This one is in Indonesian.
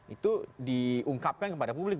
itu diungkapkan kepada publik